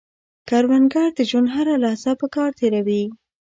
کروندګر د ژوند هره لحظه په کار تېروي